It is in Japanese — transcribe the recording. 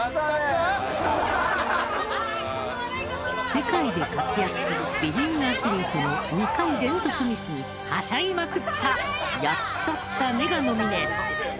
世界で活躍する美人アスリートの２回連続ミスにはしゃぎまくった「やっちゃったね」がノミネート。